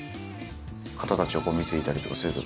方たちを見ていたりとかすると。